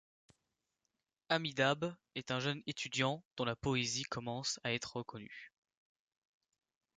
Amitabh est un jeune étudiant dont la poésie commence à être reconnue.